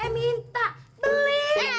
eh minta beli